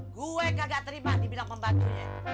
gue kagak terima dibilang pembantunya